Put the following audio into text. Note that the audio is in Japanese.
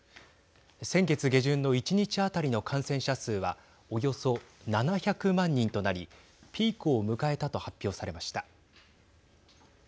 先月下旬の１日当たりの感染者数はおよそ７００万人となりピークを迎えたと発表されました。